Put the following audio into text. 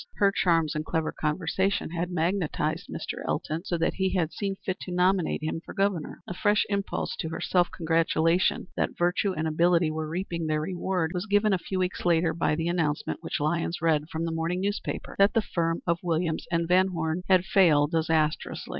Her charms and clever conversation had magnetized Mr. Elton so that he had seen fit to nominate him for Governor. A fresh impulse to her self congratulation that virtue and ability were reaping their reward was given a few weeks later by the announcement which Lyons read from the morning newspaper that the firm of Williams & Van Horne had failed disastrously.